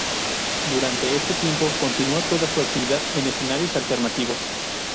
Durante este tiempo continuó toda su actividad en escenarios alternativos.